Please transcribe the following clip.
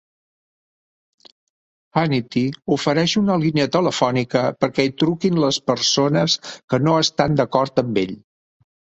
Hannity ofereix una línia telefònica perquè hi truquin les persones que no estan d'acord amb ell.